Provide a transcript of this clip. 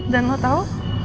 dan lo tau